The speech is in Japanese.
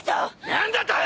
何だと！？